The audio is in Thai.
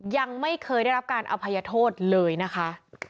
ยังไม่เคยได้รับการอภัยโทษเลยนะคะ